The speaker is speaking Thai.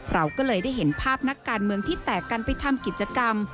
เราก็เลยได้เห็นภาพนักการเมืองที่แตกกันไปทำกิจกรรม